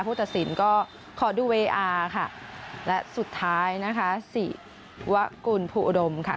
ตัดสินก็ขอดูเวอาร์ค่ะและสุดท้ายนะคะศิวะกุลภูอุดมค่ะ